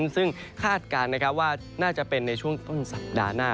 ซึ่งคาดการณ์ว่าน่าจะเป็นในช่วงต้นสัปดาห์หน้า